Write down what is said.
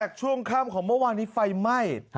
แต่ช่วงข้ามของเมื่อวานที่ไฟไหม้